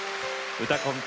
「うたコン」。